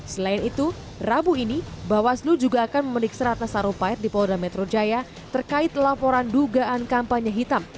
selain itu rabu ini bawaslu juga akan memeriksa ratna sarumpait di polda metro jaya terkait laporan dugaan kampanye hitam